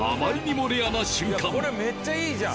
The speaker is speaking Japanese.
これめっちゃいいじゃん